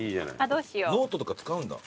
ノートとか使うんだ？